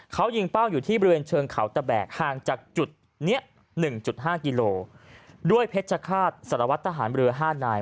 เขายิงเป้าอยู่ที่บริเวณเชิงเขาตะแบกห่างจากจุดเนี้ยหนึ่งจุดห้ากิโลด้วยเพชรฆาตสลวทธหารบริเวณห้านาย